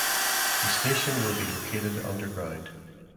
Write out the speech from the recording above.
The station will be located underground.